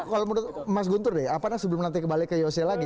kalau menurut mas guntur deh apakah sebelum nanti kembali ke yose lagi